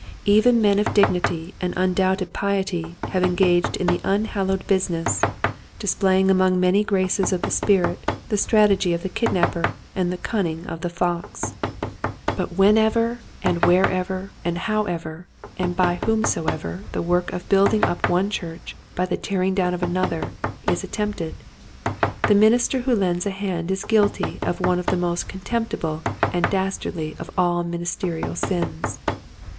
Even men of dignity and un doubted piety have engaged in the unhal lowed business, displaying among many graces of the spirit the strategy of the kidnapper and the cunning of the fox. Meanness. 163 But whenever and wherever and however and by whomsoever the work of building up one church by the tearing down of another is attempted the minister who lends a hand is guilty of one of the most contemptible and dastardly of all minis terial sins.